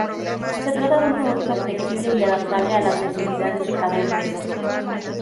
Se trata de un producto flexible y adaptable a las necesidades de cada empresa.